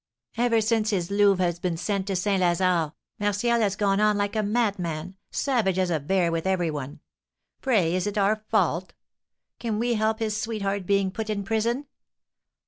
"Ever since his Louve has been sent to St. Lazare, Martial has gone on like a madman, savage as a bear with every one. Pray is it our fault? Can we help his sweetheart being put in prison?